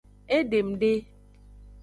Edem de.